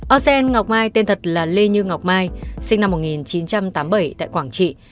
osen ngọc mai tên thật là lê như ngọc mai sinh năm một nghìn chín trăm tám mươi bảy tại quảng trị